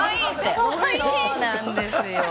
そうなんですよ。